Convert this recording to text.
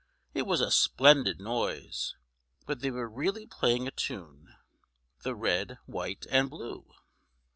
It was a splendid noise; but they were really playing a tune, the "Red, White and Blue."